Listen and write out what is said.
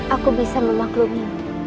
aku bisa memaklumi